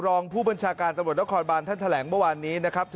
รองผู้บัญชาการตำรวจดาวคอร์นบูรณ์ท่านแถลงวันนี้นะครับ